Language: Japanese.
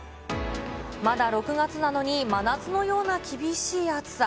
まだ６月なのに、真夏のような厳しい暑さ。